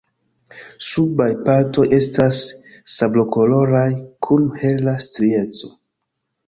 Subaj partoj estas sablokoloraj kun hela strieco.